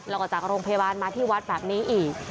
แล้วก็จากโรงพยาบาลมาที่วัดแบบนี้อีก